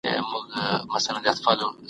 نورو خلګو ته د هغوی د ژوند کولو حق ورکړئ.